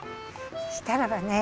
そしたらばね